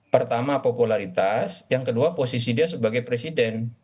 pertama popularitas yang kedua posisi dia sebagai presiden